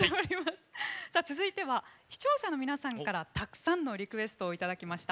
さあ続いては視聴者の皆さんからたくさんのリクエストをいただきました。